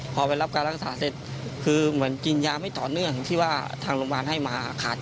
โมโหล้ล้ายประมาณพูดไม่สนใจใคร